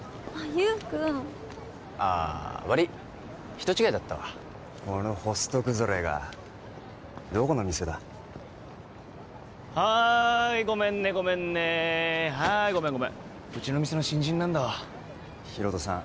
ユウくんああわりい人違いだったわこのホスト崩れがどこの店だはいごめんねごめんねはいごめんごめんうちの店の新人なんだわ・ヒロトさん